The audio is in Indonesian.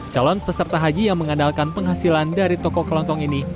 calon peserta haji yang mengandalkan penghasilan dari toko kelontong ini